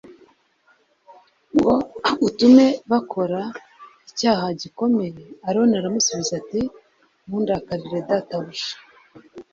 Ngo utume bakora icyaha gikomeye aroni aramusubiza ati ntundakarire databuja